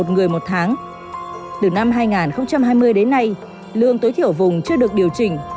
người đến nay lương tối thiểu vùng chưa được điều chỉnh